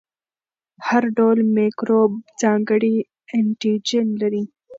هر ډول میکروب ځانګړی انټيجن لري.